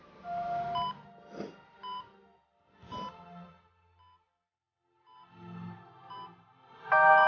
kamu sudah selesai